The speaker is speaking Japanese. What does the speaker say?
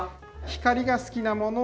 光が好きなもの